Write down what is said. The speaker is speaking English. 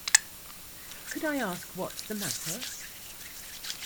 Could I ask what's the matter?